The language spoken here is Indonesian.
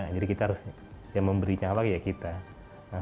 jadi kita harus memberi nyawa kayak kita